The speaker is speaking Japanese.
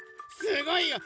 すごいよ。